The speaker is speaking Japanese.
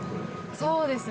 そうですね。